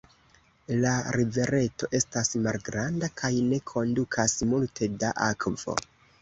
La rivereto estas malgranda kaj ne kondukas multe da akvo.